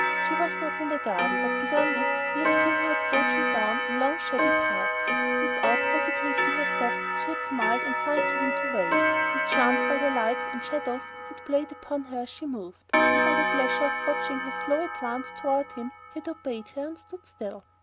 She was not in the garden, but beyond it he had seen her approaching down a long shady path. Without hastening her step she had smiled and signed to him to wait; and charmed by the lights and shadows that played upon her as she moved, and by the pleasure of watching her slow advance toward him, he had obeyed her and stood still.